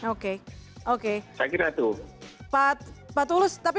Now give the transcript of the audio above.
oke oke saya kira itu pak tulus tapi